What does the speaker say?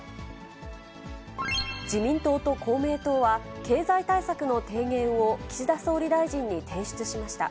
自民党と公明党は、経済対策の提言を岸田総理大臣に提出しました。